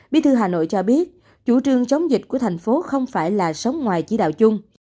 bí thư hà nội cho biết chủ trương chống dịch của thành phố không phải là sống ngoài chỉ đạo chung